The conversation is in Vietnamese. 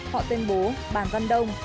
họ tên bố bàn văn đông